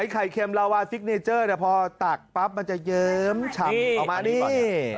ไข่เค็มลาวาซิกเนเจอร์พอตักปั๊บมันจะเยิ้มฉ่ำออกมานี่